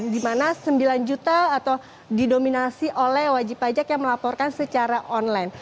di mana sembilan juta atau didominasi oleh wajib pajak yang melaporkan secara online